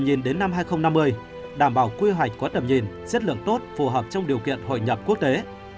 nhiệm vụ quy hoạch tp hcm đến năm hai nghìn bốn mươi đảm bảo quy hoạch có tầm nhìn xét lượng tốt phù hợp trong điều kiện hội nhập quốc tế